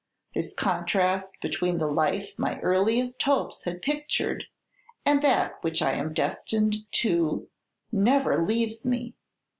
This contrast between the life my earliest hopes had pictured, and that which I am destined to, never leaves me.